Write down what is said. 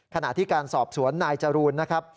ขณะที่การสอบสวนนายจรูนนะครับ